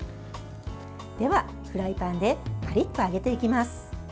では、フライパンでカリッと揚げていきます。